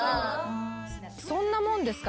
そんなもんですか？